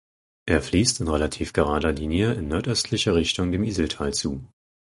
Er fließt in relativ gerader Linie in nordöstlicher Richtung dem Iseltal zu.